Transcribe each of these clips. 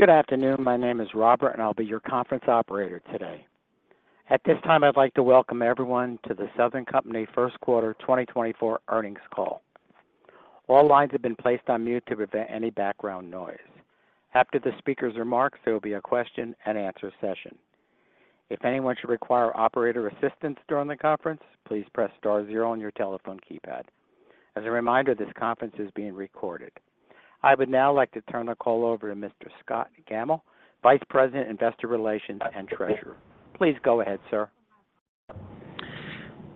Good afternoon. My name is Robert, and I'll be your conference operator today. At this time, I'd like to welcome everyone to the Southern Company first quarter 2024 earnings call. All lines have been placed on mute to prevent any background noise. After the speaker's remarks, there will be a question and answer session. If anyone should require operator assistance during the conference, please press star zero on your telephone keypad. As a reminder, this conference is being recorded. I would now like to turn the call over to Mr. Scott Gammill, Vice President, Investor Relations, and Treasurer. Please go ahead, sir.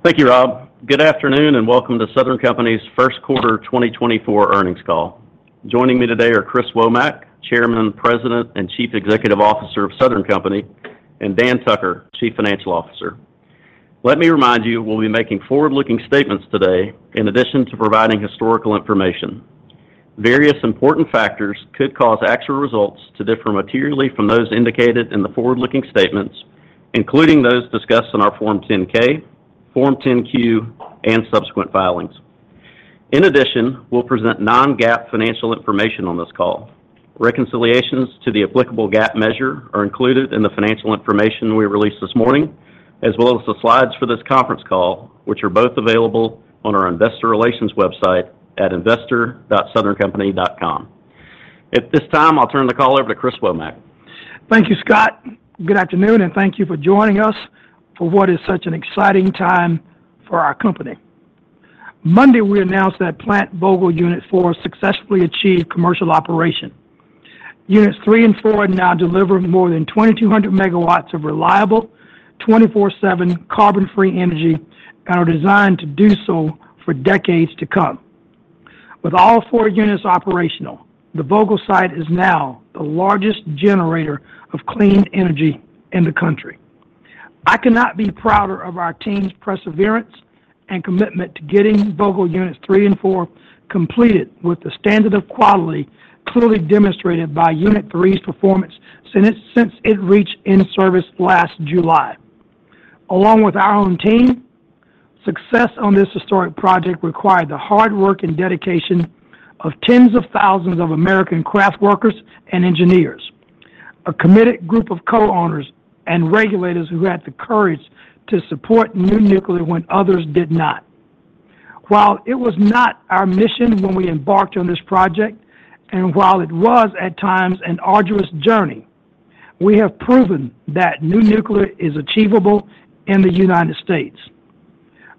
Thank you, Rob. Good afternoon, and welcome to Southern Company's first quarter 2024 earnings call. Joining me today are Chris Womack, Chairman, President, and Chief Executive Officer of Southern Company, and Dan Tucker, Chief Financial Officer. Let me remind you, we'll be making forward-looking statements today in addition to providing historical information. Various important factors could cause actual results to differ materially from those indicated in the forward-looking statements, including those discussed in our Form 10-K, Form 10-Q, and subsequent filings. In addition, we'll present non-GAAP financial information on this call. Reconciliations to the applicable GAAP measure are included in the financial information we released this morning, as well as the slides for this conference call, which are both available on our investor relations website at investor.southerncompany.com. At this time, I'll turn the call over to Chris Womack. Thank you, Scott. Good afternoon, and thank you for joining us for what is such an exciting time for our company. Monday, we announced that Plant Vogtle Unit Four successfully achieved commercial operation. Units Three and Four are now delivering more than 2,200 megawatts of reliable, 24/7 carbon-free energy and are designed to do so for decades to come. With all four units operational, the Vogtle site is now the largest generator of clean energy in the country. I cannot be prouder of our team's perseverance and commitment to getting Vogtle Units Three and Four completed with the standard of quality clearly demonstrated by Unit Three's performance since it reached in-service last July. Along with our own team, success on this historic project required the hard work and dedication of tens of thousands of American craft workers and engineers, a committed group of co-owners and regulators who had the courage to support new nuclear when others did not. While it was not our mission when we embarked on this project, and while it was at times an arduous journey, we have proven that new nuclear is achievable in the United States.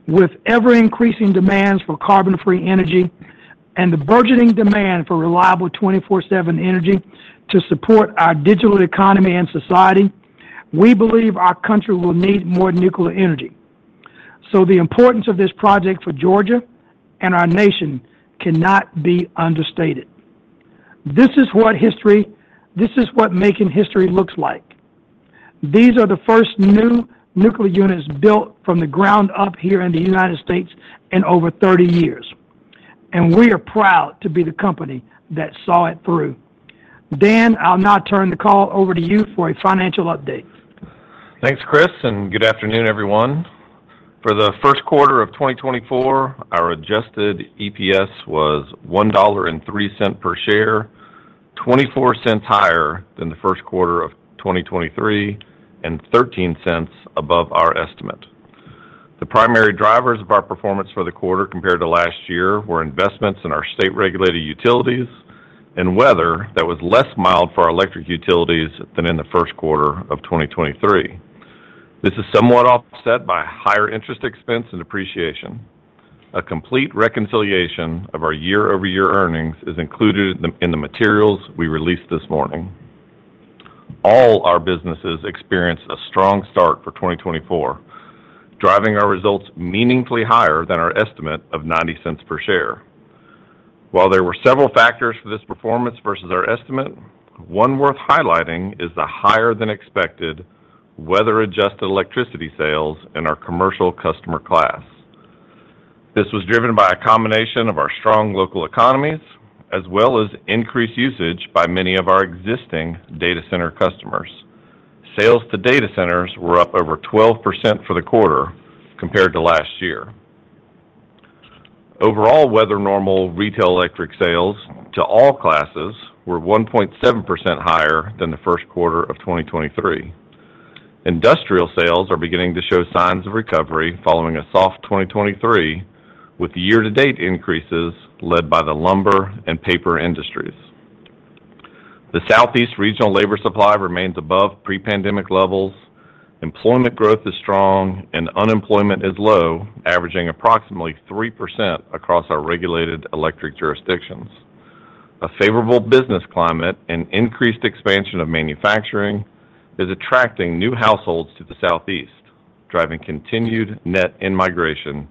With ever-increasing demands for carbon-free energy and the burgeoning demand for reliable 24/7 energy to support our digital economy and society, we believe our country will need more nuclear energy. So the importance of this project for Georgia and our nation cannot be understated. This is what history - this is what making history looks like. These are the first new nuclear units built from the ground up here in the United States in over 30 years, and we are proud to be the company that saw it through. Dan, I'll now turn the call over to you for a financial update. Thanks, Chris, and good afternoon, everyone. For the first quarter of 2024, our adjusted EPS was $1.03 per share, $0.24 higher than the first quarter of 2023 and $0.13 above our estimate. The primary drivers of our performance for the quarter compared to last year were investments in our state-regulated utilities and weather that was less mild for our electric utilities than in the first quarter of 2023. This is somewhat offset by higher interest expense and depreciation. A complete reconciliation of our year-over-year earnings is included in the materials we released this morning. All our businesses experienced a strong start for 2024, driving our results meaningfully higher than our estimate of $0.90 per share. While there were several factors for this performance versus our estimate, one worth highlighting is the higher-than-expected weather-adjusted electricity sales in our commercial customer class. This was driven by a combination of our strong local economies, as well as increased usage by many of our existing data center customers. Sales to data centers were up over 12% for the quarter compared to last year. Overall, weather normal retail electric sales to all classes were 1.7% higher than the first quarter of 2023. Industrial sales are beginning to show signs of recovery following a soft 2023, with year-to-date increases led by the lumber and paper industries. The Southeast regional labor supply remains above pre-pandemic levels. Employment growth is strong and unemployment is low, averaging approximately 3% across our regulated electric jurisdictions. A favorable business climate and increased expansion of manufacturing is attracting new households to the Southeast, driving continued net in-migration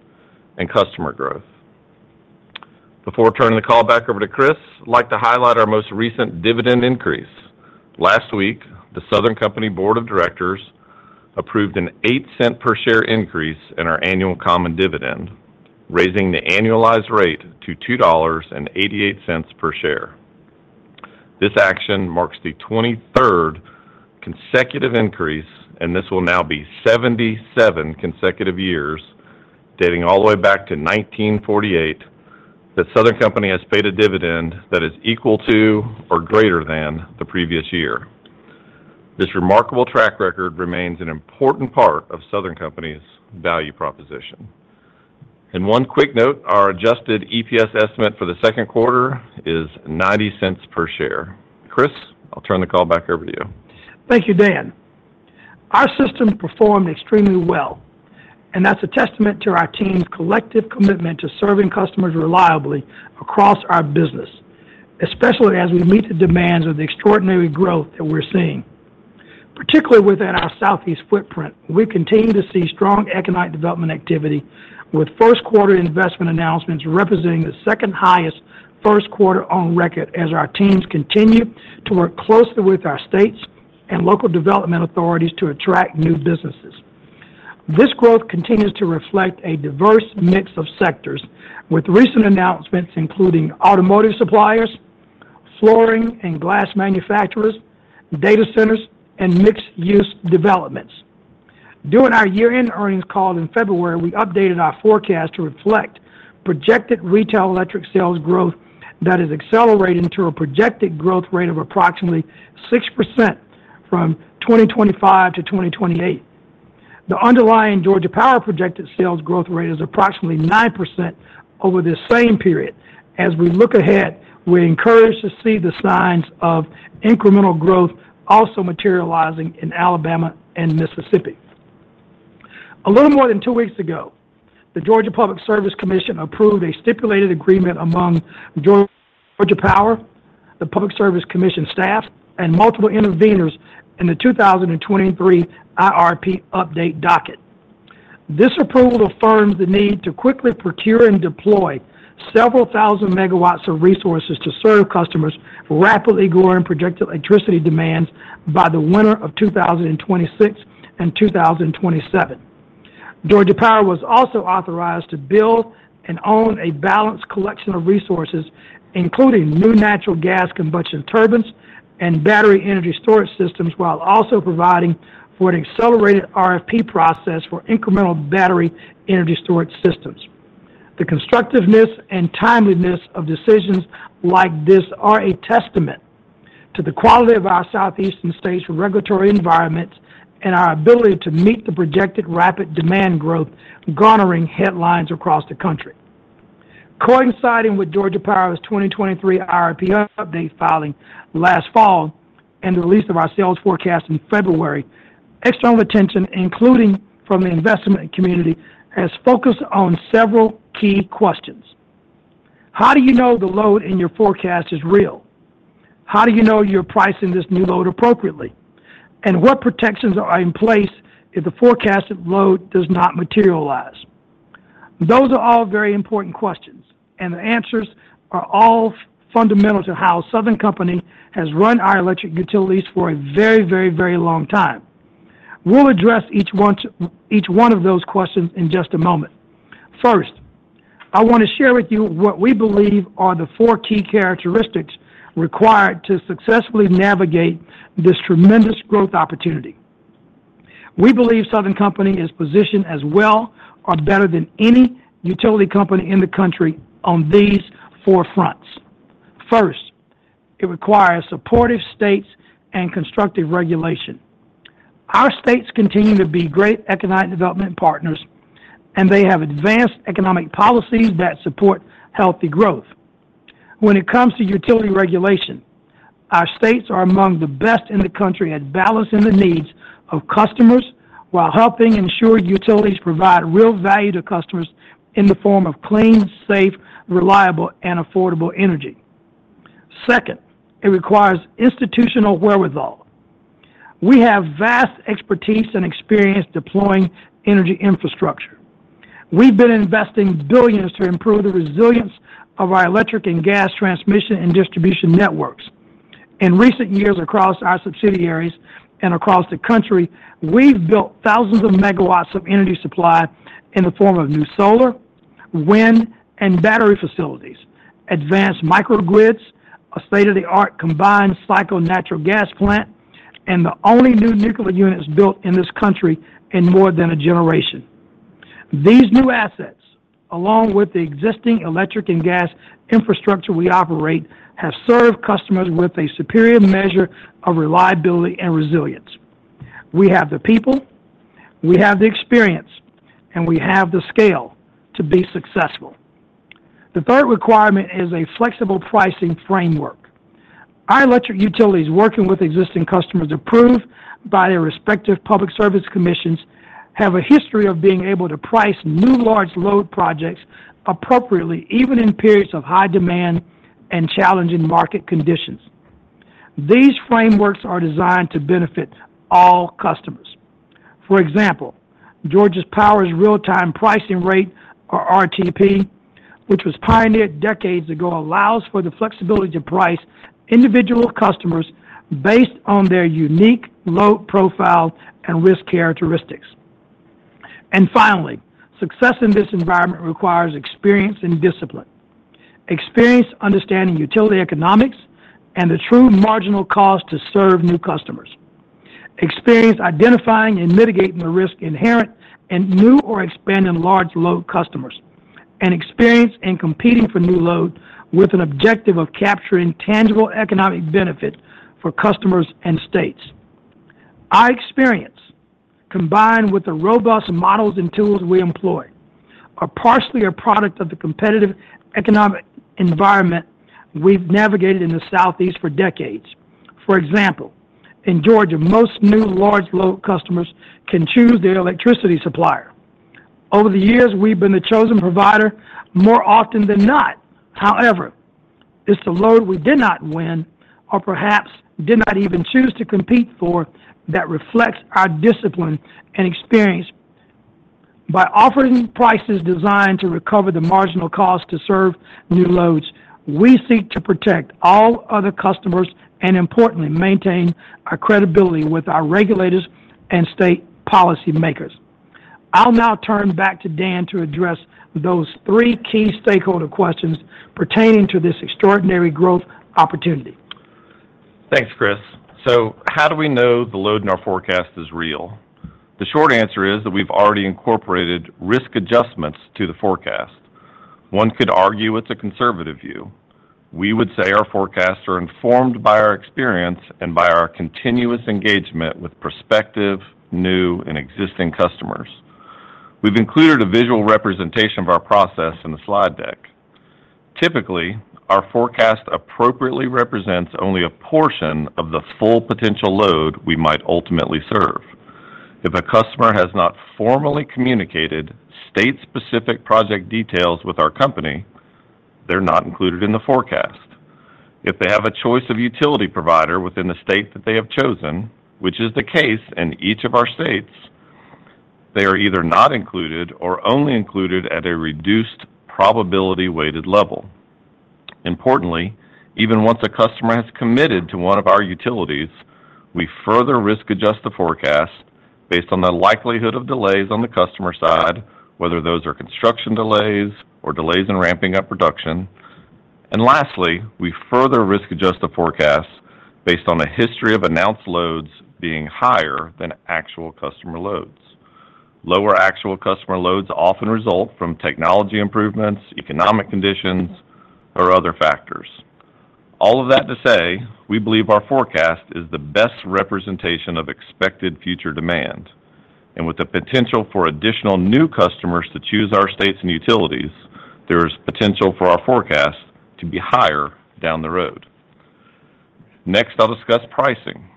and customer growth. Before turning the call back over to Chris, I'd like to highlight our most recent dividend increase. Last week, the Southern Company board of directors approved an $0.08 per share increase in our annual common dividend, raising the annualized rate to $2.88 per share. This action marks the 23rd consecutive increase, and this will now be 77 consecutive years, dating all the way back to 1948, that Southern Company has paid a dividend that is equal to or greater than the previous year. This remarkable track record remains an important part of Southern Company's value proposition. One quick note, our adjusted EPS estimate for the second quarter is $0.90 per share. Chris, I'll turn the call back over to you. Thank you, Dan. Our system performed extremely well, and that's a testament to our team's collective commitment to serving customers reliably across our business, especially as we meet the demands of the extraordinary growth that we're seeing. Particularly within our Southeast footprint, we continue to see strong economic development activity, with first quarter investment announcements representing the second-highest first quarter on record as our teams continue to work closely with our states and local development authorities to attract new businesses. This growth continues to reflect a diverse mix of sectors, with recent announcements, including automotive suppliers, flooring and glass manufacturers, data centers, and mixed-use developments. During our year-end earnings call in February, we updated our forecast to reflect projected retail electric sales growth that is accelerating to a projected growth rate of approximately 6% from 2025 to 2028. The underlying Georgia Power projected sales growth rate is approximately 9% over this same period. As we look ahead, we're encouraged to see the signs of incremental growth also materializing in Alabama and Mississippi. A little more than two weeks ago, the Georgia Public Service Commission approved a stipulated agreement among Georgia Power, the Public Service Commission staff, and multiple interveners in the 2023 IRP update docket. This approval affirms the need to quickly procure and deploy several thousand megawatts of resources to serve customers rapidly growing projected electricity demands by the winter of 2026 and 2027. Georgia Power was also authorized to build and own a balanced collection of resources, including new natural gas combustion turbines and battery energy storage systems, while also providing for an accelerated RFP process for incremental battery energy storage systems. The constructiveness and timeliness of decisions like this are a testament to the quality of our Southeastern states' regulatory environments and our ability to meet the projected rapid demand growth garnering headlines across the country. Coinciding with Georgia Power's 2023 IRP update filing last fall and the release of our sales forecast in February, external attention, including from the investment community, has focused on several key questions. How do you know the load in your forecast is real? How do you know you're pricing this new load appropriately? And what protections are in place if the forecasted load does not materialize? Those are all very important questions, and the answers are all fundamental to how Southern Company has run our electric utilities for a very, very, very long time. We'll address each one of those questions in just a moment. First, I want to share with you what we believe are the four key characteristics required to successfully navigate this tremendous growth opportunity. We believe Southern Company is positioned as well or better than any utility company in the country on these four fronts. First, it requires supportive states and constructive regulation. Our states continue to be great economic development partners, and they have advanced economic policies that support healthy growth. When it comes to utility regulation, our states are among the best in the country at balancing the needs of customers while helping ensure utilities provide real value to customers in the form of clean, safe, reliable, and affordable energy. Second, it requires institutional wherewithal. We have vast expertise and experience deploying energy infrastructure. We've been investing billions to improve the resilience of our electric and gas transmission and distribution networks. In recent years, across our subsidiaries and across the country, we've built thousands of megawatts of energy supply in the form of new solar, wind, and battery facilities, advanced microgrids, a state-of-the-art combined cycle natural gas plant, and the only new nuclear units built in this country in more than a generation. These new assets, along with the existing electric and gas infrastructure we operate, have served customers with a superior measure of reliability and resilience. We have the people, we have the experience, and we have the scale to be successful. The third requirement is a flexible pricing framework. Our electric utilities, working with existing customers, approved by their respective public service commissions, have a history of being able to price new large load projects appropriately, even in periods of high demand and challenging market conditions. These frameworks are designed to benefit all customers. For example, Georgia Power's Real-Time Pricing rate, or RTP, which was pioneered decades ago, allows for the flexibility to price individual customers based on their unique load profile and risk characteristics. And finally, success in this environment requires experience and discipline. Experience understanding utility economics and the true marginal cost to serve new customers.... Experience identifying and mitigating the risk inherent in new or expanding large load customers, and experience in competing for new load with an objective of capturing tangible economic benefit for customers and states. Our experience, combined with the robust models and tools we employ, are partially a product of the competitive economic environment we've navigated in the Southeast for decades. For example, in Georgia, most new large load customers can choose their electricity supplier. Over the years, we've been the chosen provider more often than not. However, it's the load we did not win or perhaps did not even choose to compete for that reflects our discipline and experience. By offering prices designed to recover the marginal cost to serve new loads, we seek to protect all other customers and importantly, maintain our credibility with our regulators and state policymakers. I'll now turn back to Dan to address those three key stakeholder questions pertaining to this extraordinary growth opportunity. Thanks, Chris. So how do we know the load in our forecast is real? The short answer is that we've already incorporated risk adjustments to the forecast. One could argue it's a conservative view. We would say our forecasts are informed by our experience and by our continuous engagement with prospective, new, and existing customers. We've included a visual representation of our process in the slide deck. Typically, our forecast appropriately represents only a portion of the full potential load we might ultimately serve. If a customer has not formally communicated state-specific project details with our company, they're not included in the forecast. If they have a choice of utility provider within the state that they have chosen, which is the case in each of our states, they are either not included or only included at a reduced probability weighted level. Importantly, even once a customer has committed to one of our utilities, we further risk adjust the forecast based on the likelihood of delays on the customer side, whether those are construction delays or delays in ramping up production. And lastly, we further risk adjust the forecast based on a history of announced loads being higher than actual customer loads. Lower actual customer loads often result from technology improvements, economic conditions, or other factors. All of that to say, we believe our forecast is the best representation of expected future demand, and with the potential for additional new customers to choose our states and utilities, there is potential for our forecast to be higher down the road. Next, I'll discuss pricing.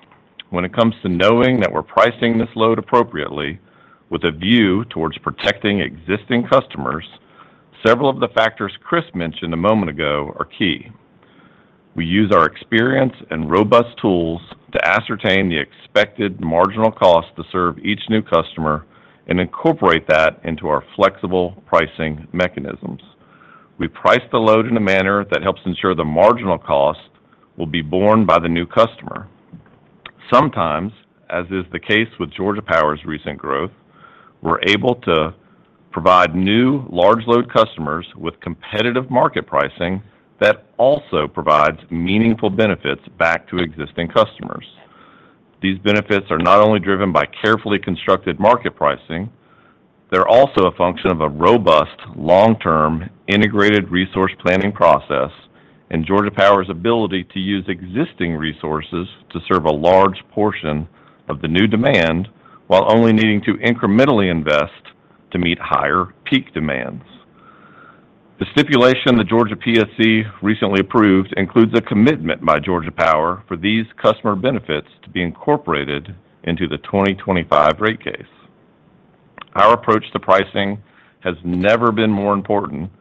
When it comes to knowing that we're pricing this load appropriately with a view towards protecting existing customers, several of the factors Chris mentioned a moment ago are key. We use our experience and robust tools to ascertain the expected marginal cost to serve each new customer and incorporate that into our flexible pricing mechanisms. We price the load in a manner that helps ensure the marginal cost will be borne by the new customer. Sometimes, as is the case with Georgia Power's recent growth, we're able to provide new large load customers with competitive market pricing that also provides meaningful benefits back to existing customers. These benefits are not only driven by carefully constructed market pricing, they're also a function of a robust, long-term integrated resource planning process and Georgia Power's ability to use existing resources to serve a large portion of the new demand, while only needing to incrementally invest to meet higher peak demands. The stipulation the Georgia PSC recently approved includes a commitment by Georgia Power for these customer benefits to be incorporated into the 2025 rate case. Our approach to pricing has never been more important,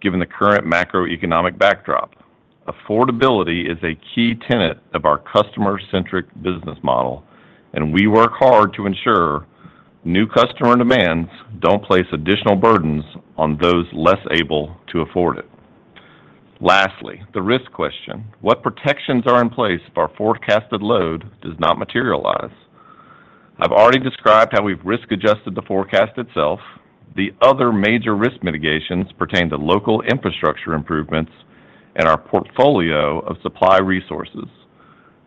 given the current macroeconomic backdrop. Affordability is a key tenet of our customer-centric business model, and we work hard to ensure new customer demands don't place additional burdens on those less able to afford it. Lastly, the risk question: What protections are in place if our forecasted load does not materialize? I've already described how we've risk-adjusted the forecast itself. The other major risk mitigations pertain to local infrastructure improvements and our portfolio of supply resources.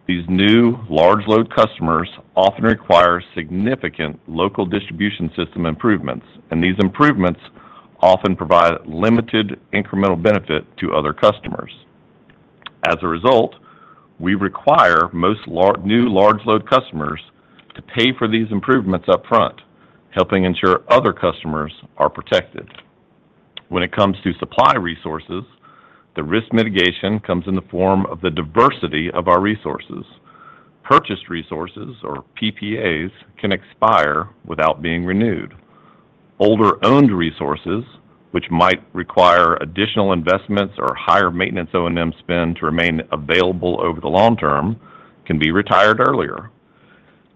These new large load customers often require significant local distribution system improvements, and these improvements often provide limited incremental benefit to other customers. As a result, we require most new large load customers to pay for these improvements upfront, helping ensure other customers are protected. When it comes to supply resources, the risk mitigation comes in the form of the diversity of our resources. Purchased resources or PPAs can expire without being renewed. Older owned resources, which might require additional investments or higher maintenance O&M spend to remain available over the long term, can be retired earlier.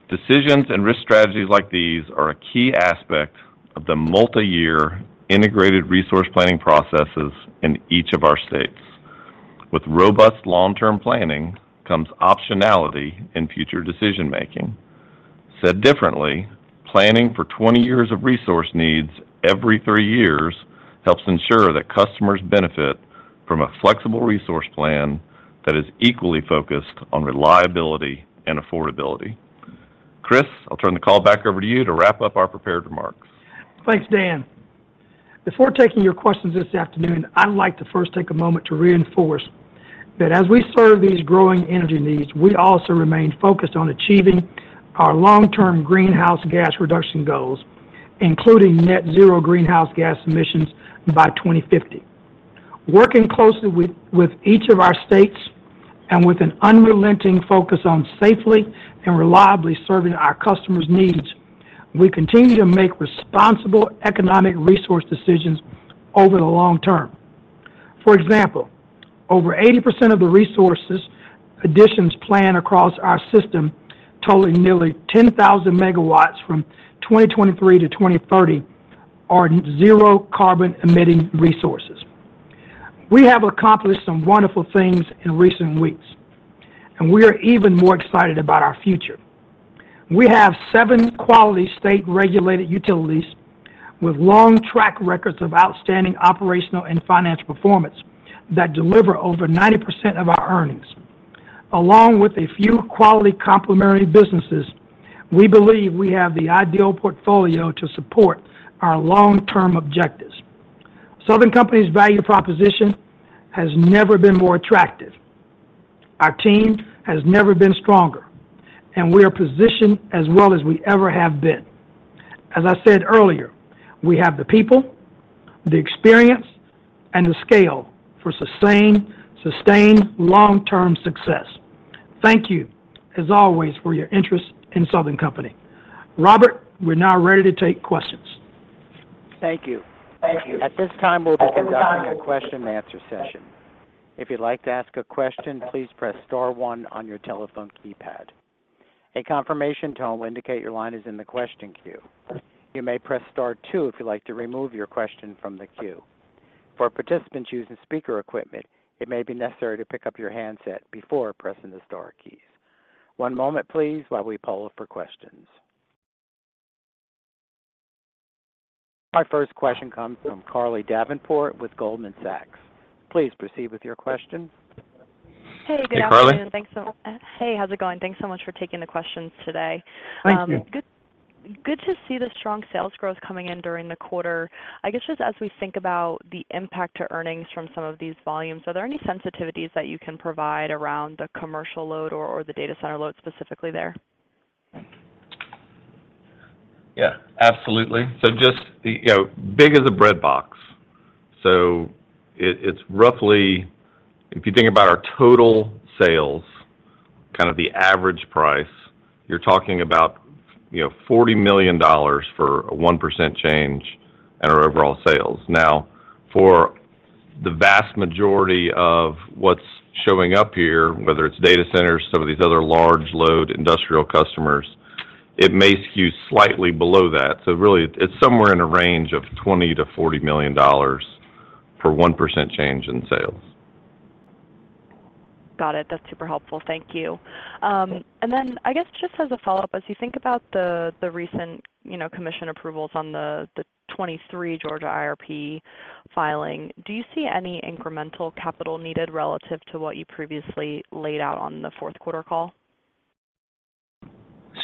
Decisions and risk strategies like these are a key aspect of the multi-year integrated resource planning processes in each of our states. With robust long-term planning comes optionality in future decision-making. Said differently, planning for 20 years of resource needs every 3 years helps ensure that customers benefit from a flexible resource plan that is equally focused on reliability and affordability. Chris, I'll turn the call back over to you to wrap up our prepared remarks. Thanks, Dan. Before taking your questions this afternoon, I'd like to first take a moment to reinforce that as we serve these growing energy needs, we also remain focused on achieving our long-term greenhouse gas reduction goals, including net zero greenhouse gas emissions by 2050. Working closely with each of our states and with an unrelenting focus on safely and reliably serving our customers' needs, we continue to make responsible economic resource decisions over the long term. For example, over 80% of the resources additions planned across our system, totaling nearly 10,000 megawatts from 2023 to 2030, are zero carbon-emitting resources. We have accomplished some wonderful things in recent weeks, and we are even more excited about our future. We have seven quality state-regulated utilities with long track records of outstanding operational and financial performance that deliver over 90% of our earnings. Along with a few quality complementary businesses, we believe we have the ideal portfolio to support our long-term objectives. Southern Company's value proposition has never been more attractive. Our team has never been stronger, and we are positioned as well as we ever have been. As I said earlier, we have the people, the experience, and the scale for sustained long-term success. Thank you, as always, for your interest in Southern Company. Robert, we're now ready to take questions. Thank you. Thank you. At this time, we'll be conducting a question-and-answer session. If you'd like to ask a question, please press star one on your telephone keypad. A confirmation tone will indicate your line is in the question queue. You may press star two if you'd like to remove your question from the queue. For participants using speaker equipment, it may be necessary to pick up your handset before pressing the star keys. One moment, please, while we poll for questions. Our first question comes from Carly Davenport with Goldman Sachs. Please proceed with your question. Hey, good afternoon- Hey, Carly. Hey, how's it going? Thanks so much for taking the questions today. Thank you. Good, good to see the strong sales growth coming in during the quarter. I guess, just as we think about the impact to earnings from some of these volumes, are there any sensitivities that you can provide around the commercial load or, or the data center load specifically there? Yeah, absolutely. So just the, you know, big as a breadbox. So it, it's roughly... If you think about our total sales, kind of the average price, you're talking about, you know, $40 million for a 1% change in our overall sales. Now, for the vast majority of what's showing up here, whether it's data centers, some of these other large load industrial customers, it may skew slightly below that. So really, it's somewhere in a range of $20 million-$40 million for 1% change in sales. Got it. That's super helpful. Thank you. And then I guess just as a follow-up, as you think about the, the recent, you know, commission approvals on the, the 23 Georgia IRP filing, do you see any incremental capital needed relative to what you previously laid out on the fourth quarter call?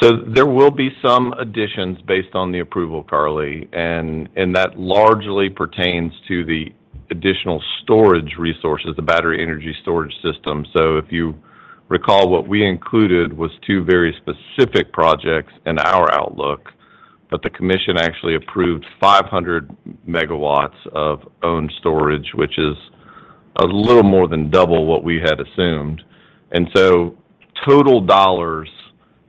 So there will be some additions based on the approval, Carly, and that largely pertains to the additional storage resources, the battery energy storage system. So if you recall, what we included was two very specific projects in our outlook, but the commission actually approved 500 megawatts of owned storage, which is a little more than double what we had assumed. And so total dollars,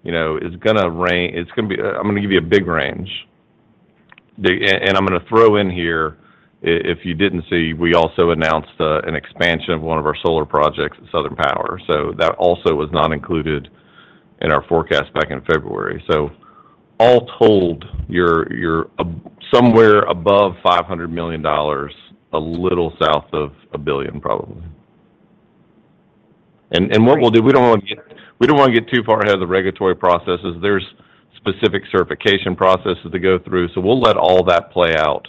you know, is gonna range, it's gonna be, I'm gonna give you a big range. I'm gonna throw in here, if you didn't see, we also announced an expansion of one of our solar projects, Southern Power. So that also was not included in our forecast back in February. So all told, you're somewhere above $500 million, a little south of $1 billion, probably. And what we'll do, we don't wanna get too far ahead of the regulatory processes. There's specific certification processes to go through, so we'll let all that play out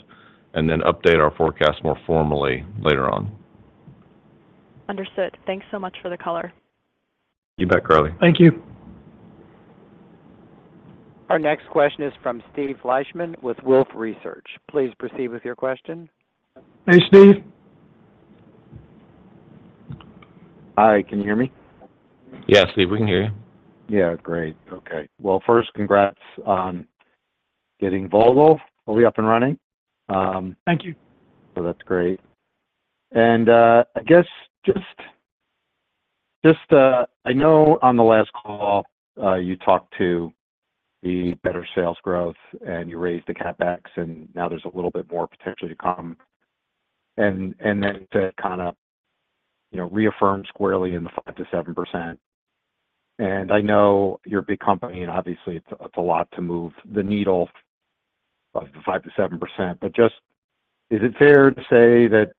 and then update our forecast more formally later on. Understood. Thanks so much for the color. You bet, Carly. Thank you. Our next question is from Steve Fleishman with Wolfe Research. Please proceed with your question. Hey, Steve. Hi, can you hear me? Yes, Steve, we can hear you. Yeah, great. Okay. Well, first, congrats on getting Vogtle fully up and running. Thank you. So that's great. And, I guess just, just, I know on the last call, you talked to the better sales growth, and you raised the CapEx, and now there's a little bit more potentially to come. And, and then to kind of, you know, reaffirm squarely in the 5%-7%, and I know you're a big company, and obviously it's, it's a lot to move the needle of the 5%-7%. But just, is it fair to say that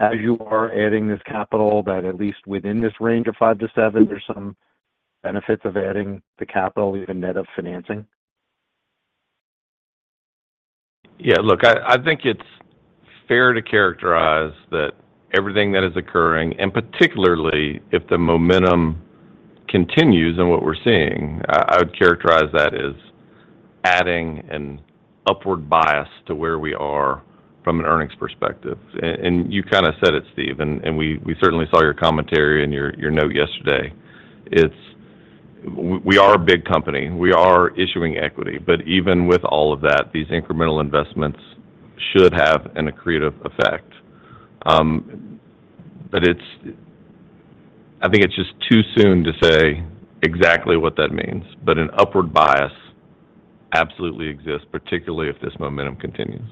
as you are adding this capital, that at least within this range of five to seven, there's some benefits of adding the capital, even net of financing?... Yeah, look, I think it's fair to characterize that everything that is occurring, and particularly if the momentum continues in what we're seeing, I would characterize that as adding an upward bias to where we are from an earnings perspective. And you kind of said it, Steve, and we certainly saw your commentary and your note yesterday. It's. We are a big company. We are issuing equity, but even with all of that, these incremental investments should have an accretive effect. But it's. I think it's just too soon to say exactly what that means, but an upward bias absolutely exists, particularly if this momentum continues.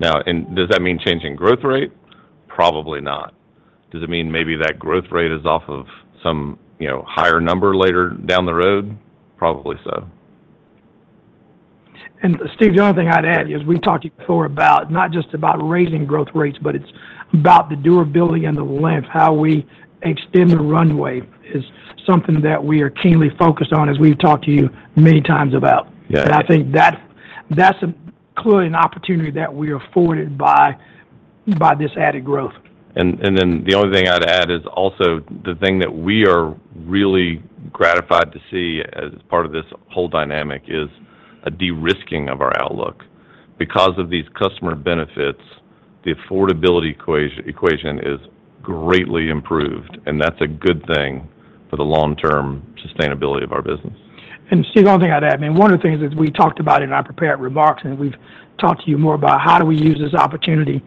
Now, does that mean changing growth rate? Probably not. Does it mean maybe that growth rate is off of some, you know, higher number later down the road? Probably so. Steve, the only thing I'd add is we talked before about not just raising growth rates, but it's about the durability and the length. How we extend the runway is something that we are keenly focused on, as we've talked to you many times about. Yeah. I think that's clearly an opportunity that we are afforded by this added growth. And then the only thing I'd add is also the thing that we are really gratified to see as part of this whole dynamic is a de-risking of our outlook. Because of these customer benefits, the affordability equation is greatly improved, and that's a good thing for the long-term sustainability of our business. And Steve, the only thing I'd add, I mean, one of the things that we talked about in our prepared remarks, and we've talked to you more about how do we use this opportunity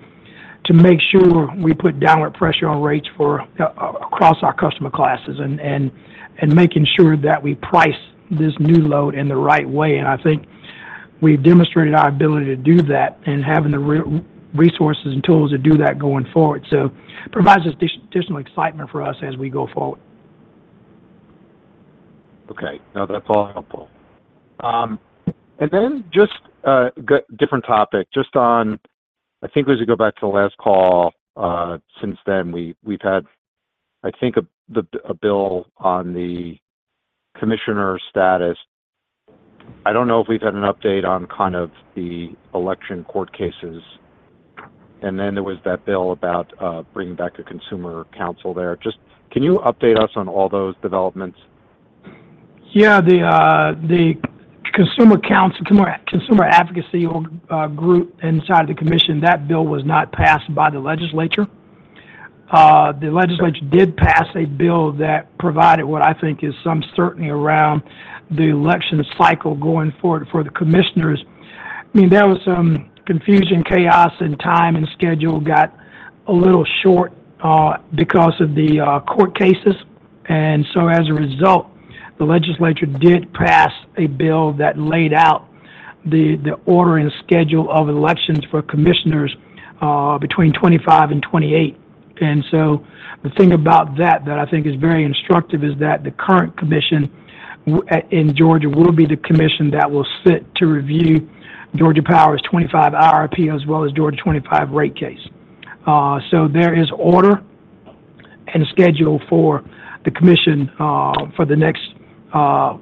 to make sure we put downward pressure on rates for across our customer classes and making sure that we price this new load in the right way. And I think we've demonstrated our ability to do that and having the resources and tools to do that going forward. So it provides us additional excitement for us as we go forward. Okay, now that's all helpful. And then just different topic, just on... I think as we go back to the last call, since then, we've had, I think, a bill on the commissioner status. I don't know if we've had an update on kind of the election court cases. And then there was that bill about bringing back a consumer council there. Just can you update us on all those developments? Yeah, the, the consumer council, consumer advocacy or, group inside the commission, that bill was not passed by the legislature. The legislature did pass a bill that provided what I think is some certainty around the election cycle going forward for the commissioners. I mean, there was some confusion, chaos, and time and schedule got a little short, because of the, court cases. And so as a result, the legislature did pass a bill that laid out the, the order and schedule of elections for commissioners, between 25 and 28. And so the thing about that, that I think is very instructive is that the current commission, in Georgia will be the commission that will sit to review Georgia Power's 25 IRP, as well as Georgia 25 rate case. So there is order and schedule for the commission, for the next, 2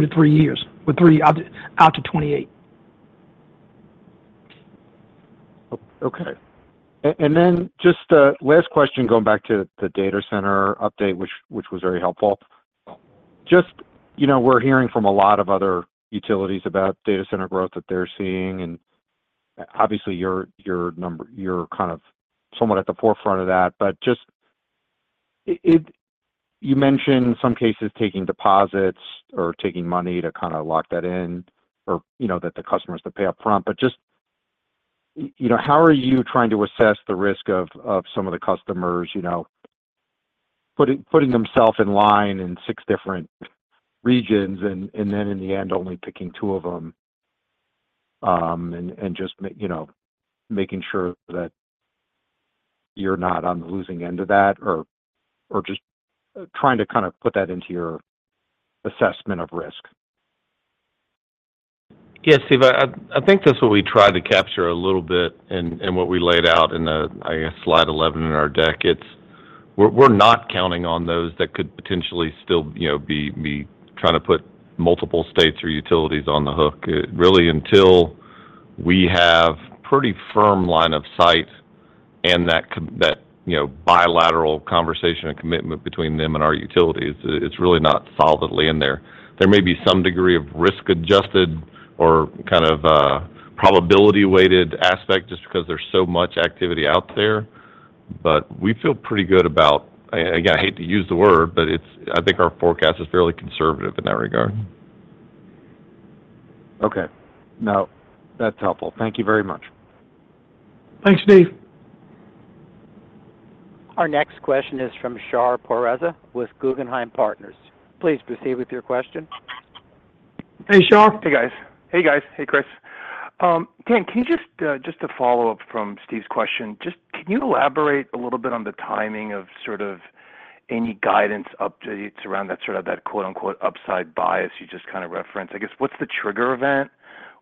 to 3 years, or three, out to 2028. Okay. And then just a last question, going back to the data center update, which was very helpful. Just, you know, we're hearing from a lot of other utilities about data center growth that they're seeing, and obviously, you're kind of somewhat at the forefront of that. But just, you mentioned some cases taking deposits or taking money to kinda lock that in or, you know, that the customers to pay up front. But just, you know, how are you trying to assess the risk of some of the customers, you know, putting themselves in line in six different regions, and then in the end, only picking two of them? And just making sure that you're not on the losing end of that or just trying to kinda put that into your assessment of risk. Yeah, Steve, I think that's what we tried to capture a little bit and what we laid out in the, I guess, slide 11 in our deck. It's-- We're not counting on those that could potentially still, you know, be trying to put multiple states or utilities on the hook. It-- Really, until we have pretty firm line of sight and that, you know, bilateral conversation and commitment between them and our utilities, it's really not solidly in there. There may be some degree of risk-adjusted or kind of probability-weighted aspect just because there's so much activity out there, but we feel pretty good about... Again, I hate to use the word, but it's-- I think our forecast is fairly conservative in that regard. Okay. No, that's helpful. Thank you very much. Thanks, Steve. Our next question is from Shar Pourreza with Guggenheim Partners. Please proceed with your question. Hey, Shar. Hey, guys. Hey, guys. Hey, Chris. Dan, can you just, just to follow up from Steve's question, just can you elaborate a little bit on the timing of sort of any guidance updates around that sort of that quote-unquote, upside bias you just kind of referenced? I guess, what's the trigger event,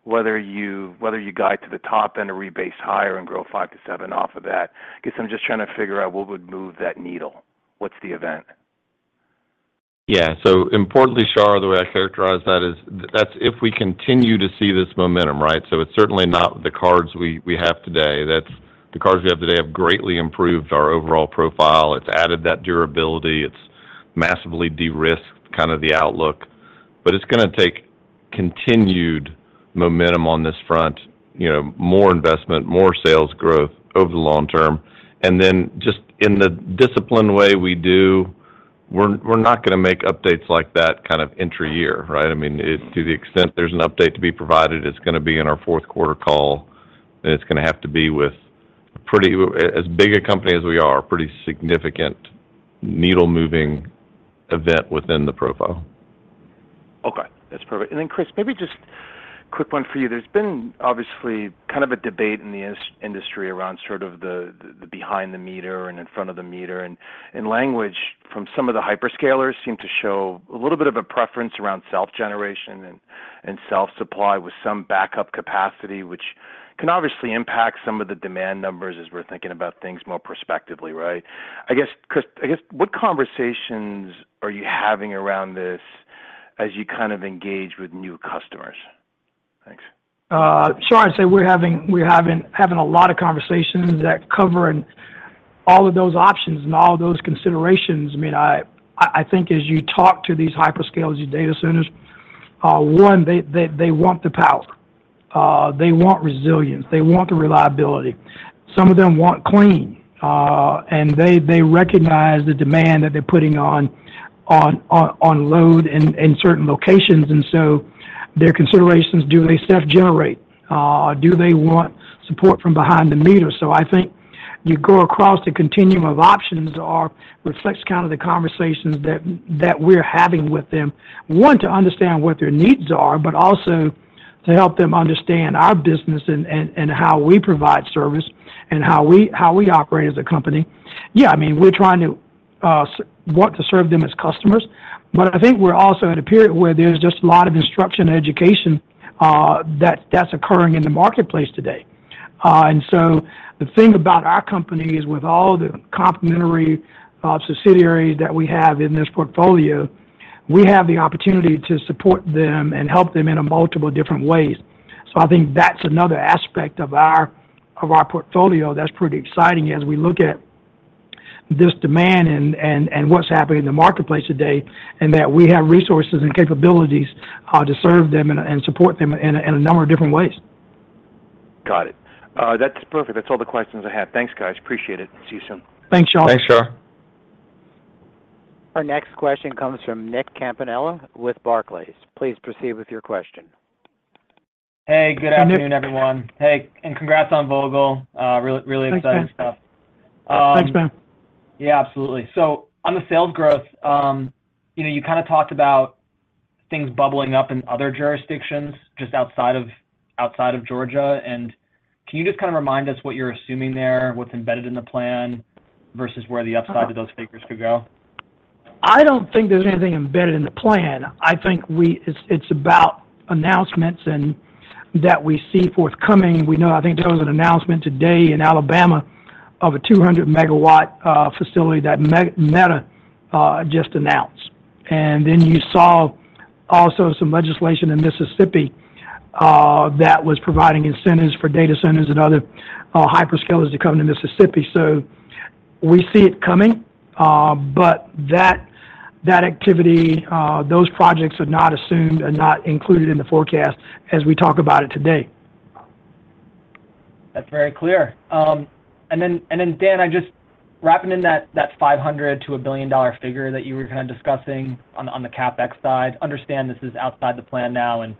whether you, whether you guide to the top end or rebase higher and grow 5-7 off of that? I guess I'm just trying to figure out what would move that needle. What's the event?... Yeah. So importantly, Shar, the way I characterize that is that's if we continue to see this momentum, right? So it's certainly not the cards we have today. That's the cards we have today have greatly improved our overall profile. It's added that durability. It's massively de-risked kind of the outlook. But it's gonna take continued momentum on this front, you know, more investment, more sales growth over the long term. And then just in the disciplined way we do, we're not gonna make updates like that kind of intra-year, right? I mean, it to the extent there's an update to be provided, it's gonna be in our fourth quarter call, and it's gonna have to be with pretty as big a company as we are, a pretty significant needle-moving event within the profile. Okay, that's perfect. And then, Chris, maybe just quick one for you. There's been obviously kind of a debate in the industry around sort of the, the behind the meter and in front of the meter. And language from some of the hyperscalers seem to show a little bit of a preference around self-generation and self-supply with some backup capacity, which can obviously impact some of the demand numbers as we're thinking about things more prospectively, right? I guess, Chris, I guess, what conversations are you having around this as you kind of engage with new customers? Thanks. Shar, I'd say we're having a lot of conversations that cover in all of those options and all of those considerations. I mean, I think as you talk to these hyperscalers, these data centers, they want the power, they want resilience, they want the reliability. Some of them want clean, and they recognize the demand that they're putting on load in certain locations. And so their considerations, do they self-generate? Do they want support from behind the meter? So I think you go across the continuum of options reflects kind of the conversations that we're having with them. One, to understand what their needs are, but also to help them understand our business and how we provide service and how we operate as a company. Yeah, I mean, we're trying to want to serve them as customers, but I think we're also at a period where there's just a lot of instruction and education, that's occurring in the marketplace today. And so the thing about our company is with all the complementary, subsidiaries that we have in this portfolio, we have the opportunity to support them and help them in a multiple different ways. So I think that's another aspect of our, of our portfolio that's pretty exciting as we look at this demand and what's happening in the marketplace today, and that we have resources and capabilities, to serve them and support them in a number of different ways. Got it. That's perfect. That's all the questions I have. Thanks, guys. Appreciate it. See you soon. Thanks, Shar. Thanks, Shar. Our next question comes from Nick Campanella with Barclays. Please proceed with your question. Hey, good afternoon, everyone. Hi, Nick. Hey, and congrats on Vogtle. Really, really exciting stuff. Thanks, man. Um- Thanks, man. Yeah, absolutely. So on the sales growth, you know, you kind of talked about things bubbling up in other jurisdictions just outside of, outside of Georgia. And can you just kind of remind us what you're assuming there, what's embedded in the plan versus where the upside- Uh-huh... of those figures could go? I don't think there's anything embedded in the plan. I think it's about announcements that we see forthcoming. We know, I think there was an announcement today in Alabama of a 200 MW facility that Meta just announced. And then you saw also some legislation in Mississippi that was providing incentives for data centers and other hyperscalers to come to Mississippi. So we see it coming, but that activity, those projects are not assumed and not included in the forecast as we talk about it today. That's very clear. And then, Dan, I just wrapping in that 500 to a billion dollar figure that you were kind of discussing on the CapEx side, understand this is outside the plan now and,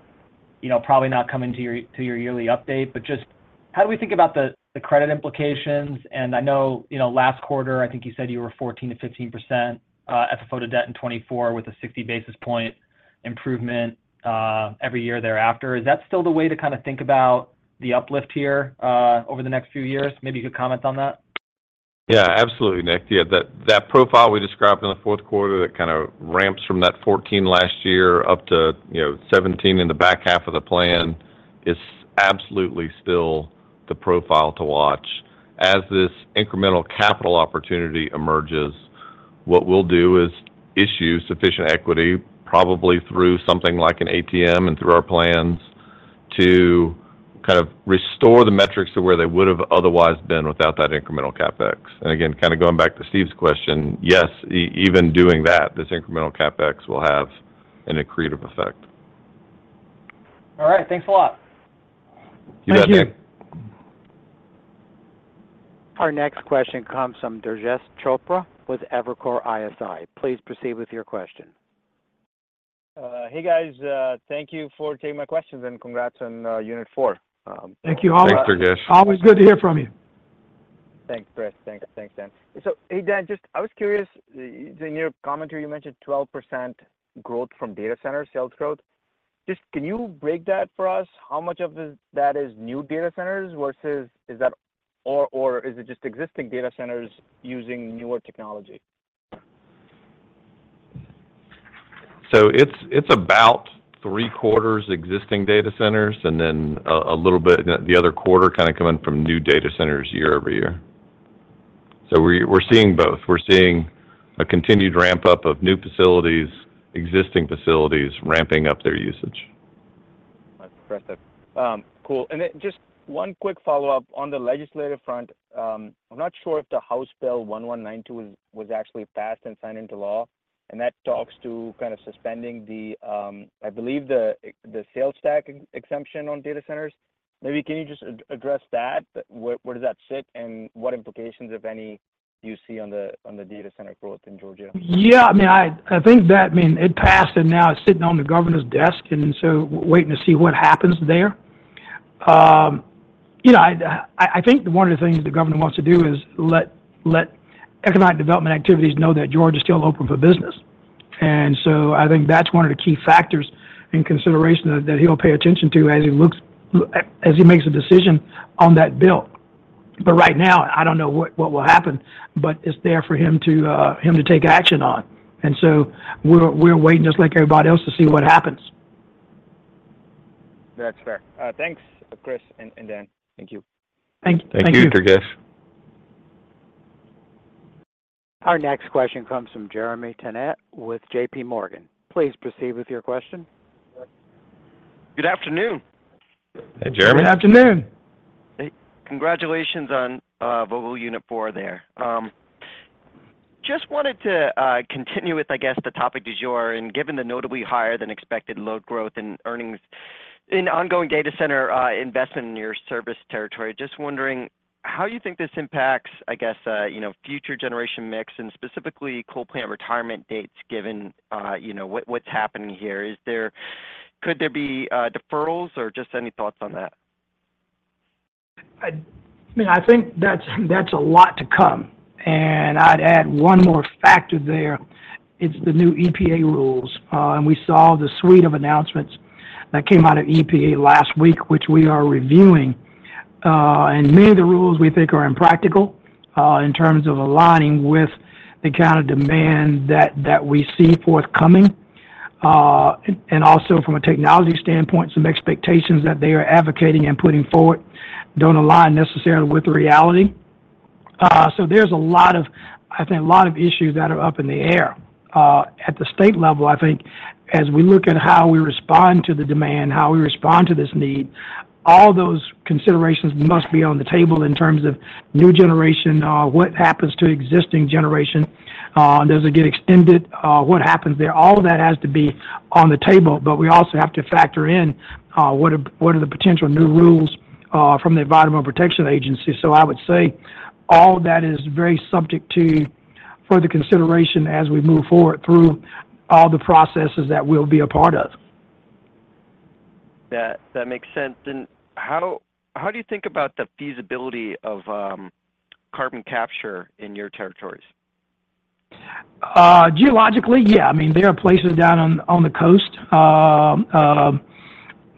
you know, probably not coming to your yearly update. But just how do we think about the credit implications? And I know, you know, last quarter, I think you said you were 14%-15%, FFO to debt in 2024, with a 60 basis point improvement every year thereafter. Is that still the way to kind of think about the uplift here over the next few years? Maybe you could comment on that. Yeah, absolutely, Nick. Yeah, that, that profile we described in the fourth quarter, that kind of ramps from that 14 last year up to, you know, 17 in the back half of the plan, is absolutely still the profile to watch. As this incremental capital opportunity emerges, what we'll do is issue sufficient equity, probably through something like an ATM and through our plans, to kind of restore the metrics to where they would have otherwise been without that incremental CapEx. And again, kind of going back to Steve's question, yes, even doing that, this incremental CapEx will have an accretive effect. All right. Thanks a lot. You bet, Nick. Thank you. Our next question comes from Durgesh Chopra with Evercore ISI. Please proceed with your question. Hey, guys, thank you for taking my questions, and congrats on Unit 4. Thank you, Durgesh. Thanks, Durgesh. Always good to hear from you. Thanks, Chris. Thanks, thanks, Dan. So hey, Dan, just I was curious, in your commentary, you mentioned 12% growth from data center sales growth. Just can you break that for us? How much of this that is new data centers versus is that... or, or is it just existing data centers using newer technology? So it's about three quarters existing data centers, and then a little bit the other quarter kind of coming from new data centers year-over-year... So we're seeing both. We're seeing a continued ramp-up of new facilities, existing facilities ramping up their usage. That's impressive. Cool. And then just one quick follow-up. On the legislative front, I'm not sure if the House Bill 1192 was actually passed and signed into law, and that talks to kind of suspending the, I believe, the sales tax exemption on data centers. Maybe can you just address that? Where does that sit, and what implications, if any, do you see on the data center growth in Georgia? Yeah, I mean, I think that, I mean, it passed, and now it's sitting on the governor's desk, and so waiting to see what happens there. You know, I think one of the things the government wants to do is let economic development activities know that Georgia is still open for business. And so I think that's one of the key factors and consideration that he'll pay attention to as he looks at as he makes a decision on that bill. But right now, I don't know what will happen, but it's there for him to take action on. And so we're waiting, just like everybody else, to see what happens. That's fair. Thanks, Chris and Dan. Thank you. Thank you. Thank you, Dinesh. Our next question comes from Jeremy Tonet with JP Morgan. Please proceed with your question. Good afternoon. Hey, Jeremy. Good afternoon. Hey, congratulations on, Vogtle Unit Four there. Just wanted to continue with, I guess, the topic du jour, and given the notably higher than expected load growth in earnings in ongoing data center, investment in your service territory, just wondering how you think this impacts, I guess, you know, future generation mix and specifically coal plant retirement dates, given, you know, what, what's happening here? Is there-- Could there be, deferrals or just any thoughts on that? I mean, I think that's a lot to come, and I'd add one more factor there. It's the new EPA rules. And we saw the suite of announcements that came out of EPA last week, which we are reviewing. And many of the rules we think are impractical, in terms of aligning with the kind of demand that we see forthcoming. And also from a technology standpoint, some expectations that they are advocating and putting forward don't align necessarily with the reality. So there's a lot of, I think, a lot of issues that are up in the air. At the state level, I think as we look at how we respond to the demand, how we respond to this need, all those considerations must be on the table in terms of new generation, what happens to existing generation, does it get extended? What happens there? All of that has to be on the table, but we also have to factor in what are the potential new rules from the Environmental Protection Agency. So I would say all of that is very subject to further consideration as we move forward through all the processes that we'll be a part of. That, that makes sense. Then how do, how do you think about the feasibility of, carbon capture in your territories? Geologically, yeah. I mean, there are places down on the coast,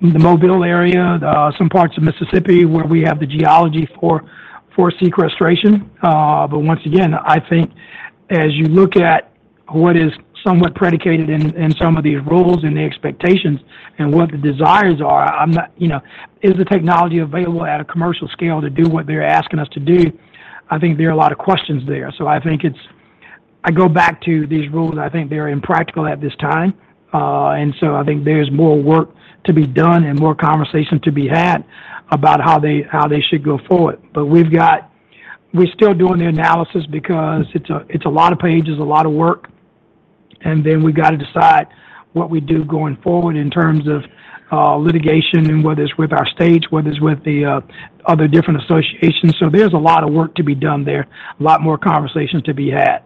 the Mobile area, some parts of Mississippi, where we have the geology for sequestration. But once again, I think as you look at what is somewhat predicated in some of these rules and the expectations and what the desires are, I'm not, you know... Is the technology available at a commercial scale to do what they're asking us to do? I think there are a lot of questions there. So I think it's. I go back to these rules. I think they're impractical at this time. And so I think there's more work to be done and more conversation to be had about how they should go forward. But we've got. We're still doing the analysis because it's a, it's a lot of pages, a lot of work, and then we've got to decide what we do going forward in terms of litigation and whether it's with our states, whether it's with the other different associations. So there's a lot of work to be done there, a lot more conversations to be had.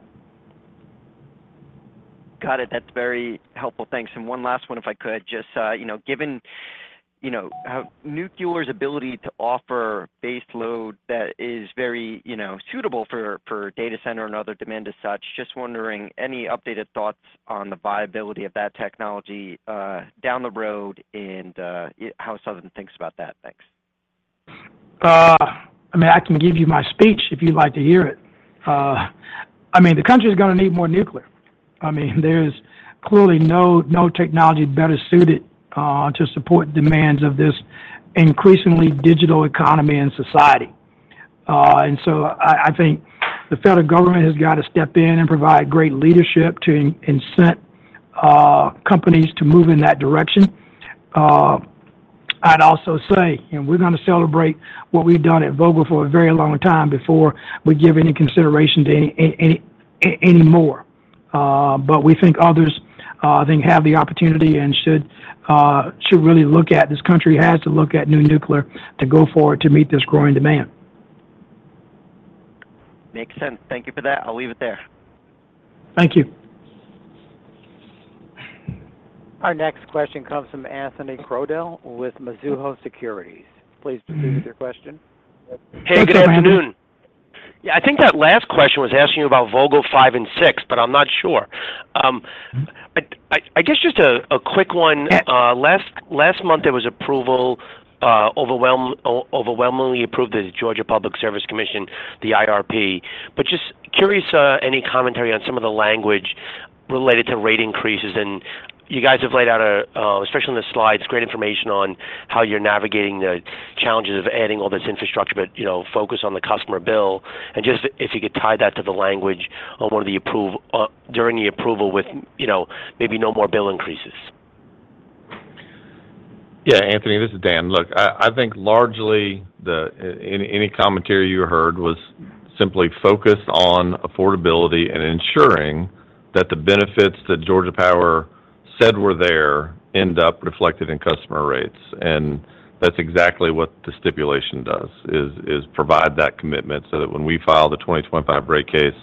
Got it. That's very helpful. Thanks. And one last one, if I could. Just, you know, given, you know, how nuclear's ability to offer base load that is very, you know, suitable for data center and other demand as such, just wondering, any updated thoughts on the viability of that technology, down the road and, how Southern thinks about that? Thanks. I mean, I can give you my speech if you'd like to hear it. I mean, the country is gonna need more nuclear. I mean, there's clearly no technology better suited to support demands of this increasingly digital economy and society. And so I think the federal government has got to step in and provide great leadership to incent companies to move in that direction. I'd also say, and we're gonna celebrate what we've done at Vogtle for a very long time before we give any consideration to any more. But we think others, I think, have the opportunity and should really look at, this country has to look at new nuclear to go forward to meet this growing demand. Makes sense. Thank you for that. I'll leave it there. Thank you. Our next question comes from Anthony Crowdell with Mizuho Securities. Please proceed with your question. Hey, good afternoon. Hey, good afternoon. Yeah, I think that last question was asking you about Vogtle 5 and 6, but I'm not sure. I guess just a quick one. Last month, there was approval, overwhelmingly approved the Georgia Public Service Commission, the IRP.... Curious, any commentary on some of the language related to rate increases? And you guys have laid out a, especially in the slides, great information on how you're navigating the challenges of adding all this infrastructure, but, you know, focus on the customer bill. And just if you could tie that to the language on one of the approval during the approval with, you know, maybe no more bill increases. Yeah, Anthony, this is Dan. Look, I think largely any commentary you heard was simply focused on affordability and ensuring that the benefits that Georgia Power said were there end up reflected in customer rates. And that's exactly what the stipulation does, is provide that commitment so that when we file the 2025 rate case,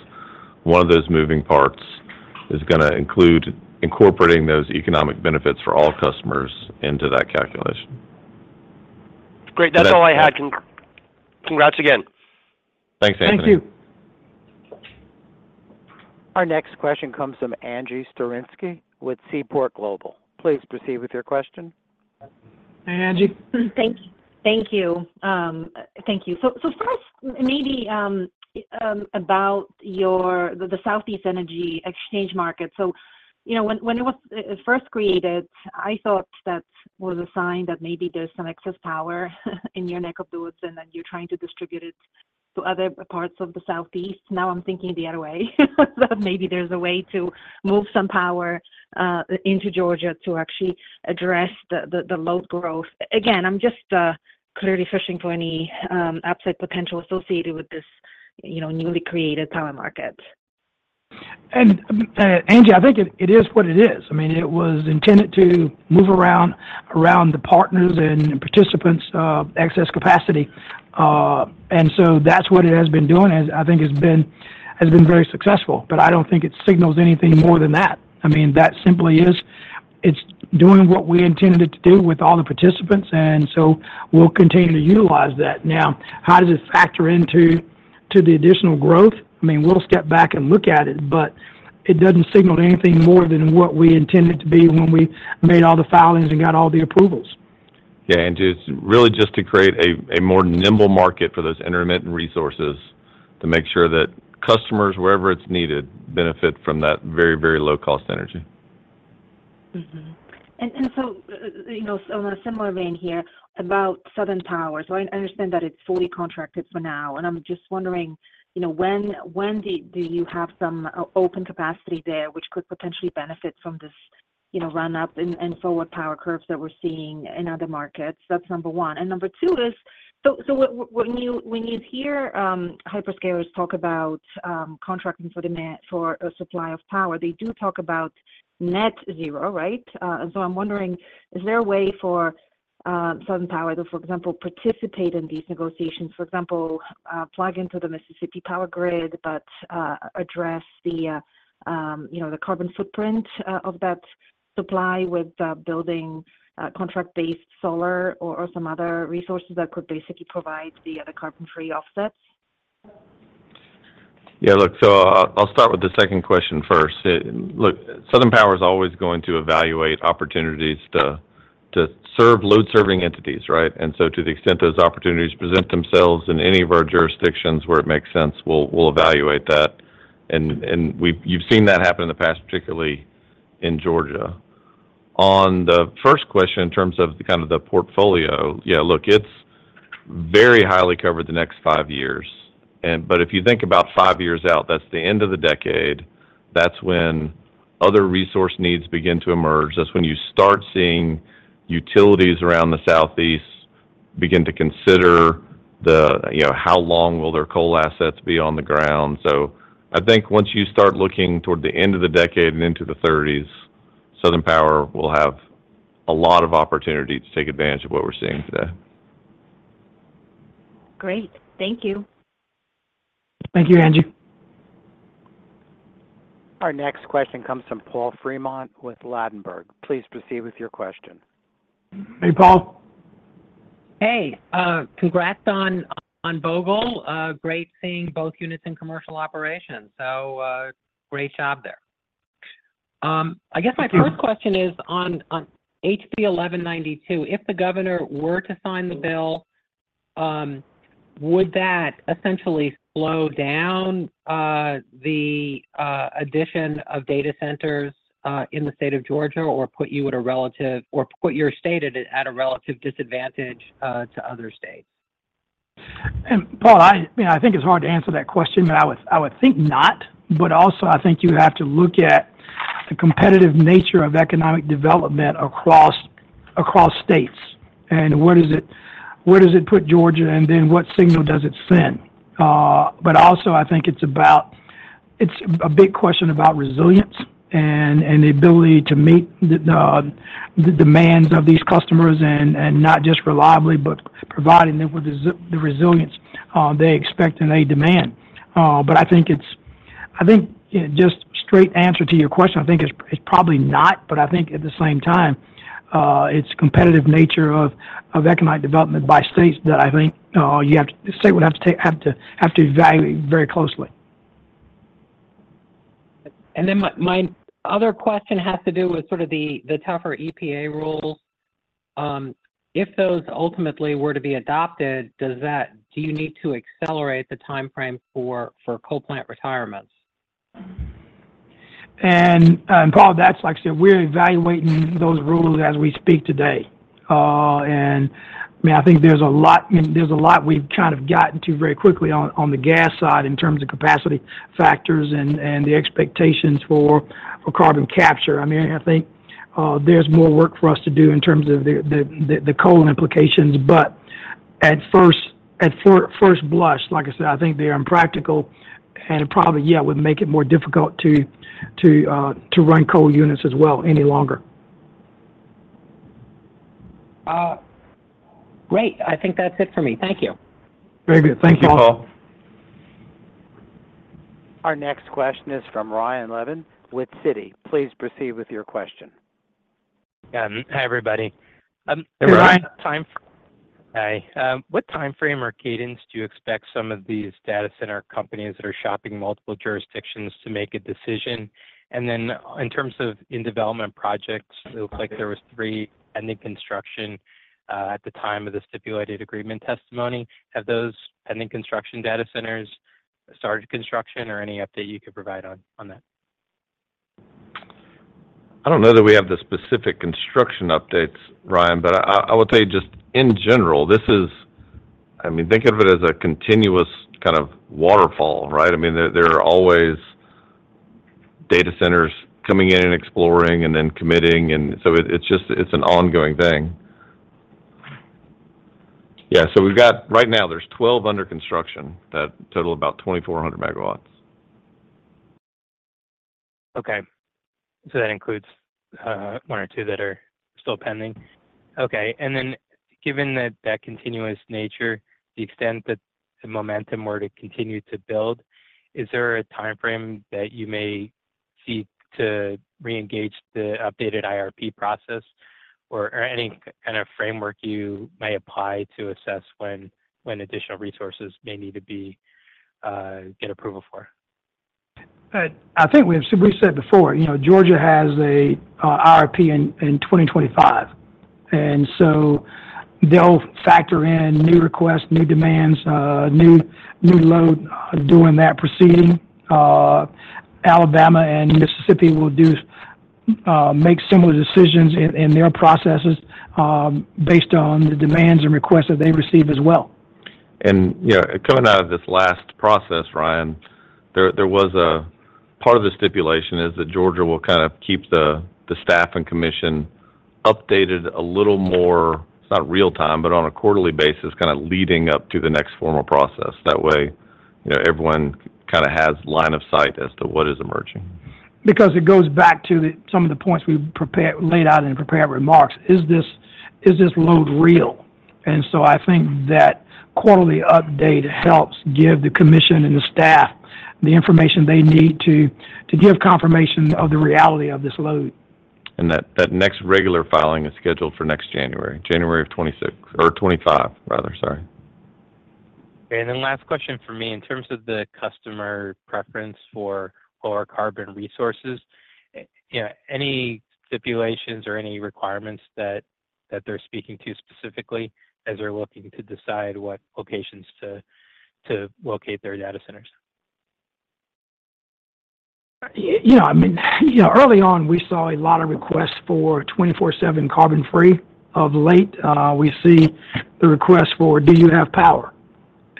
one of those moving parts is gonna include incorporating those economic benefits for all customers into that calculation. Great. That's all I had. Congrats again. Thanks, Anthony. Thank you. Our next question comes from Angie Storozynski with Seaport Global. Please proceed with your question. Hi, Angie. Thank you. Thank you. Thank you. So first, maybe, about the Southeast Energy Exchange Market. So, you know, when it was first created, I thought that was a sign that maybe there's some excess power in your neck of the woods, and then you're trying to distribute it to other parts of the Southeast. Now, I'm thinking the other way, that maybe there's a way to move some power into Georgia to actually address the load growth. Again, I'm just clearly fishing for any upside potential associated with this newly created power market. Angie, I think it, it is what it is. I mean, it was intended to move around, around the partners and participants', excess capacity. And so that's what it has been doing, and I think it's been, has been very successful. But I don't think it signals anything more than that. I mean, that simply is... It's doing what we intended it to do with all the participants, and so we'll continue to utilize that. Now, how does it factor into to the additional growth? I mean, we'll step back and look at it, but it doesn't signal anything more than what we intended it to be when we made all the filings and got all the approvals. Yeah, and it's really just to create a more nimble market for those intermittent resources to make sure that customers, wherever it's needed, benefit from that very, very low-cost energy. Mm-hmm. And so, you know, on a similar vein here, about Southern Power. So I understand that it's fully contracted for now, and I'm just wondering, you know, when do you have some open capacity there, which could potentially benefit from this, you know, run-up and forward power curves that we're seeing in other markets? That's number one. And number two is, so when you, when you hear, hyperscalers talk about contracting for demand for a supply of power, they do talk about Net Zero, right? So I'm wondering, is there a way for Southern Power, for example, participate in these negotiations, for example, plug into the Mississippi Power grid, but address the, you know, the carbon footprint of that supply with building contract-based solar or some other resources that could basically provide the carbon-free offsets? Yeah, look, so I, I'll start with the second question first. Look, Southern Power is always going to evaluate opportunities to, to serve load-serving entities, right? And so to the extent those opportunities present themselves in any of our jurisdictions where it makes sense, we'll, we'll evaluate that. And, and we've, you've seen that happen in the past, particularly in Georgia. On the first question, in terms of the kind of the portfolio, yeah, look, it's very highly covered the next five years. But if you think about five years out, that's the end of the decade, that's when other resource needs begin to emerge. That's when you start seeing utilities around the Southeast begin to consider the, you know, how long will their coal assets be on the ground. So I think once you start looking toward the end of the decade and into the thirties, Southern Power will have a lot of opportunity to take advantage of what we're seeing today. Great. Thank you. Thank you, Angie. Our next question comes from Paul Fremont with Ladenburg. Please proceed with your question. Hey, Paul. Hey, congrats on Vogtle. Great seeing both units in commercial operations. So, great job there. I guess- Thank you... my first question is on HB 1192. If the governor were to sign the bill, would that essentially slow down the addition of data centers in the state of Georgia or put you at a relative, or put your state at a relative disadvantage to other states? Paul, I mean, I think it's hard to answer that question, but I would, I would think not. But also, I think you have to look at the competitive nature of economic development across states. And where does it put Georgia, and then what signal does it send? But also, I think it's about. It's a big question about resilience and the ability to meet the demands of these customers and not just reliably, but providing them with the resilience they expect and they demand. But I think it's—I think, just straight answer to your question, I think it's, it's probably not, but I think at the same time, it's competitive nature of economic development by states that I think you have to—the state would have to evaluate very closely.... And then my other question has to do with sort of the tougher EPA rules. If those ultimately were to be adopted, do you need to accelerate the timeframe for coal plant retirements? Paul, that's like I said, we're evaluating those rules as we speak today. I mean, I think there's a lot, there's a lot we've kind of gotten to very quickly on the gas side in terms of capacity factors and the expectations for carbon capture. I mean, I think there's more work for us to do in terms of the coal implications. But at first blush, like I said, I think they are impractical and probably, yeah, would make it more difficult to run coal units as well any longer. Great. I think that's it for me. Thank you. Very good. Thank you, Paul. Our next question is from Ryan Levine with Citi. Please proceed with your question. Hi, everybody. Hey, Ryan. Hi. What time frame or cadence do you expect some of these data center companies that are shopping multiple jurisdictions to make a decision? And then in terms of in-development projects, it looks like there was 3 pending construction at the time of the stipulated agreement testimony. Have those pending construction data centers started construction, or any update you could provide on that? I don't know that we have the specific construction updates, Ryan, but I will tell you just in general, this is—I mean, think of it as a continuous kind of waterfall, right? I mean, there are always data centers coming in and exploring and then committing, and so it, it's just, it's an ongoing thing. Yeah, so we've got—Right now, there's 12 under construction that total about 2,400 megawatts. Okay. So that includes one or two that are still pending? Okay, and then given that that continuous nature, the extent that the momentum were to continue to build, is there a timeframe that you may seek to reengage the updated IRP process or, or any kind of framework you may apply to assess when, when additional resources may need to be get approval for? I think we've said before, you know, Georgia has a IRP in 2025, and so they'll factor in new requests, new demands, new load during that proceeding. Alabama and Mississippi will make similar decisions in their processes, based on the demands and requests that they receive as well. You know, coming out of this last process, Ryan, there was a... Part of the stipulation is that Georgia will kind of keep the staff and commission updated a little more, not real time, but on a quarterly basis, kind of leading up to the next formal process. That way, you know, everyone kinda has line of sight as to what is emerging. Because it goes back to some of the points we've laid out in prepared remarks: Is this, is this load real? And so I think that quarterly update helps give the commission and the staff the information they need to, to give confirmation of the reality of this load. That next regular filing is scheduled for next January, January of 2026 or 2025, rather. Sorry. Okay, and then last question for me. In terms of the customer preference for lower carbon resources, you know, any stipulations or any requirements that they're speaking to specifically as they're looking to decide what locations to locate their data centers? You know, I mean, you know, early on, we saw a lot of requests for 24/7 carbon free. Of late, we see the request for: Do you have power?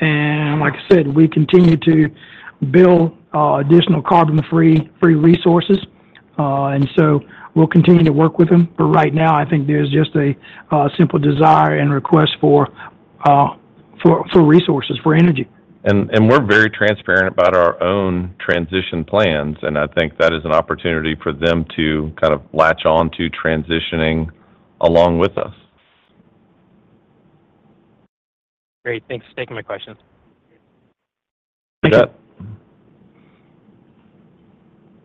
And like I said, we continue to build additional carbon free resources, and so we'll continue to work with them. But right now, I think there's just a simple desire and request for resources, for energy. And we're very transparent about our own transition plans, and I think that is an opportunity for them to kind of latch on to transitioning along with us. Great. Thanks for taking my questions. Thank you. Thank you.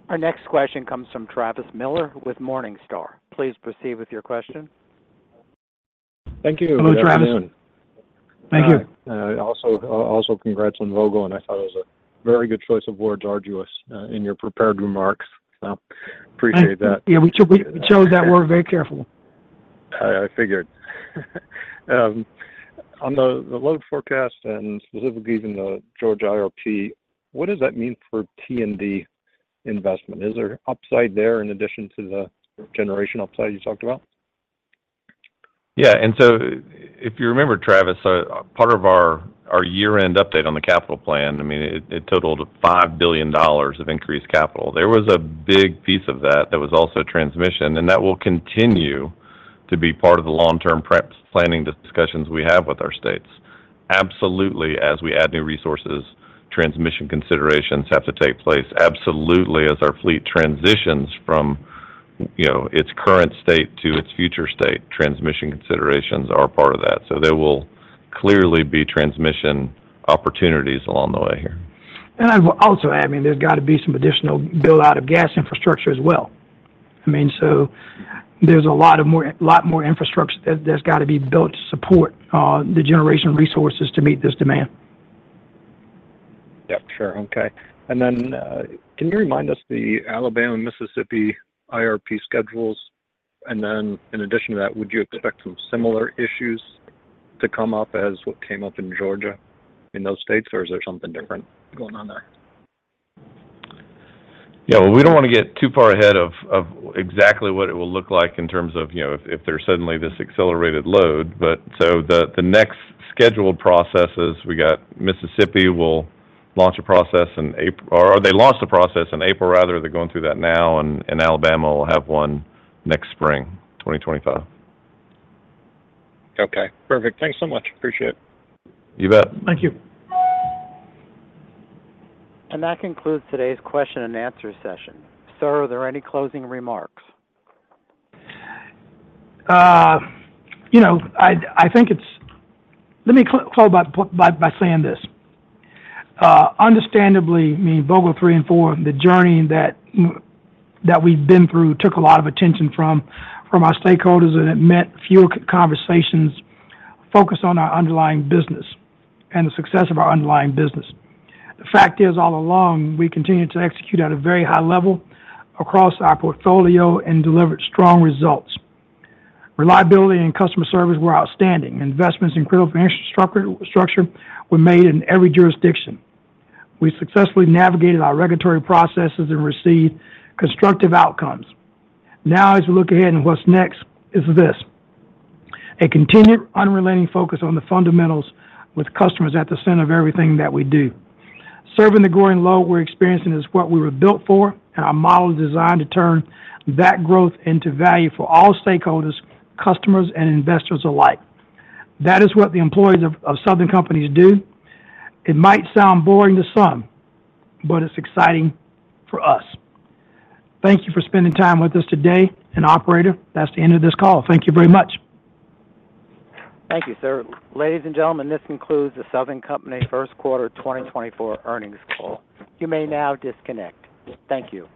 Our next question comes from Travis Miller with Morningstar. Please proceed with your question. Thank you. Hello, Travis. Good afternoon. Thank you. Also, also congrats on Vogtle, and I thought it was a very good choice of words, arduous, in your prepared remarks. So appreciate that. Yeah, we chose, we chose that word very carefully. I figured. On the load forecast and specifically even the Georgia IRP, what does that mean for T&D investment? Is there upside there in addition to the generation upside you talked about? Yeah, and so if you remember, Travis, part of our year-end update on the capital plan, I mean, it totaled $5 billion of increased capital. There was a big piece of that that was also transmission, and that will continue to be part of the long-term prep planning discussions we have with our states. Absolutely, as we add new resources, transmission considerations have to take place. Absolutely, as our fleet transitions from, you know, its current state to its future state, transmission considerations are part of that. So there will clearly be transmission opportunities along the way here. And I will also add, I mean, there's got to be some additional build-out of gas infrastructure as well. I mean, so there's a lot of more, a lot more infrastructure that's got to be built to support the generation of resources to meet this demand. Yep, sure. Okay. And then, can you remind us the Alabama and Mississippi IRP schedules? And then in addition to that, would you expect some similar issues to come up as what came up in Georgia in those states, or is there something different going on there? Yeah, we don't want to get too far ahead of exactly what it will look like in terms of, you know, if there's suddenly this accelerated load. But the next scheduled processes, we got Mississippi will launch a process in April, rather, they're going through that now, and Alabama will have one next spring, 2025. Okay, perfect. Thanks so much. Appreciate it. You bet. Thank you. That concludes today's question and answer session. Sir, are there any closing remarks? You know, I think it's— Let me close by saying this. Understandably, I mean, Vogtle 3 and 4, the journey that we've been through took a lot of attention from our stakeholders, and it meant fewer conversations focused on our underlying business and the success of our underlying business. The fact is, all along, we continued to execute at a very high level across our portfolio and delivered strong results. Reliability and customer service were outstanding. Investments in critical infrastructure were made in every jurisdiction. We successfully navigated our regulatory processes and received constructive outcomes. Now, as we look ahead and what's next is this: a continued, unrelenting focus on the fundamentals with customers at the center of everything that we do. Serving the growing load we're experiencing is what we were built for, and our model is designed to turn that growth into value for all stakeholders, customers, and investors alike. That is what the employees of Southern Company do. It might sound boring to some, but it's exciting for us. Thank you for spending time with us today, and operator, that's the end of this call. Thank you very much. Thank you, sir. Ladies and gentlemen, this concludes the Southern Company first quarter 2024 earnings call. You may now disconnect. Thank you.